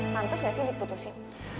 tantes gak sih diputusin